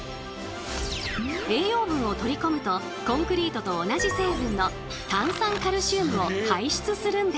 栄養分を取り込むとコンクリートと同じ成分の炭酸カルシウムを排出するんです。